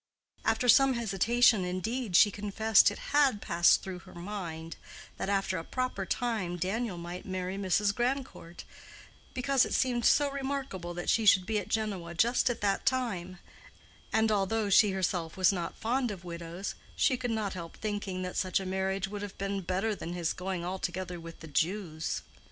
After some hesitation, indeed, she confessed it had passed through her mind that after a proper time Daniel might marry Mrs. Grandcourt—because it seemed so remarkable that he should be at Genoa just at that time—and although she herself was not fond of widows she could not help thinking that such a marriage would have been better than his going altogether with the Jews.